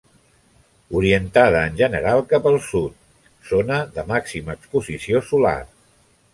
Orientada en general cap al sud, zona de màxima exposició solar.